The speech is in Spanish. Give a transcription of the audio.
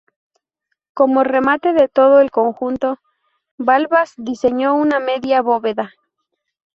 Como remate de todo el conjunto, Balbás diseñó una media bóveda.